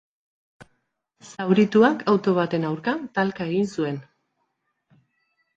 Zaurituak auto baten aurka talka egin zuen.